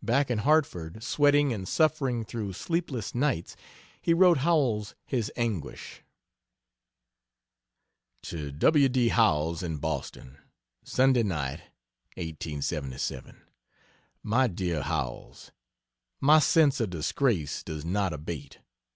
Back in Hartford, sweating and suffering through sleepless nights, he wrote Howells his anguish. To W. D. Howells, in Boston: Sunday Night. 1877. MY DEAR HOWELLS, My sense of disgrace does not abate.